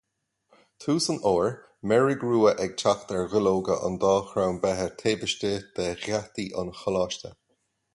Tús an fhómhair, meirg rua ag teacht ar dhuilleoga an dá chrann beithe taobh istigh de gheataí an choláiste.